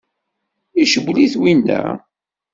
Icewwel-it winna?